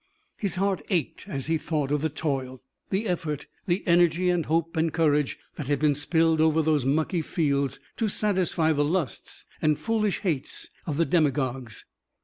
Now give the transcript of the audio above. His heart ached as he thought of the toil, the effort, the energy and hope and courage that had been spilled over those mucky fields to satisfy the lusts and foolish hates of the demagogues.